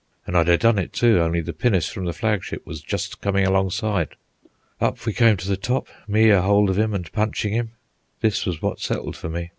An' I'd ha' done it, too, only the pinnace from the flagship was just comin' alongside. Up we came to the top, me a hold of him an' punchin' him. This was what settled for me.